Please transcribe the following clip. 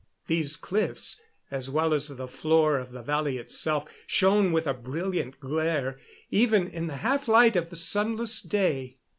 These cliffs, as well as the floor of the valley itself, shone with a brilliant glare, even in the half light of the sunless day.